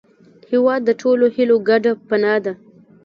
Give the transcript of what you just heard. هېواد د ټولو هیلو ګډه پناه ده.